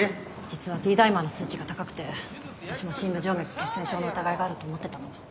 実はＤダイマーの数値が高くて私も深部静脈血栓症の疑いがあると思ってたの。